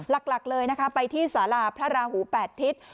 หลักเลยนะคะไปที่สาราพระราหู๘ทิศ